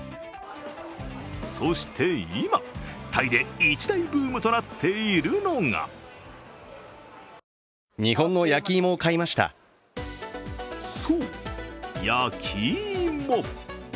そして今、タイで一大ブームとなっているのがそう、焼き芋。